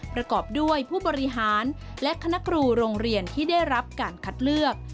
ประกอบด้วยผู้บริหารและคณะครูโรงเรียนที่ได้รับการคัดเลือก